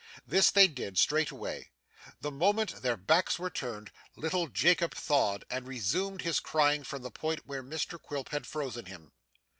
This they did, straightway. The moment their backs were turned, little Jacob thawed, and resumed his crying from the point where Quilp had frozen him.